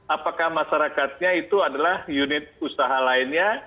apakah masyarakatnya itu adalah unit usaha lainnya